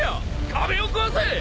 壁を壊せ！